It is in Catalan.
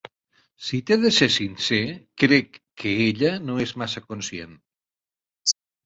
Si t'he de ser sincer, crec que ella no és massa conscient.